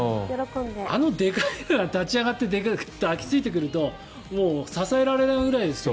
あのでかい子が立ち上がって抱き着いてくるともう支えられないぐらいですよ。